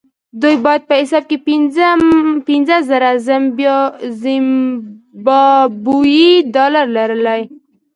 دوی باید په حساب کې پنځه زره زیمبابويي ډالر لرلای.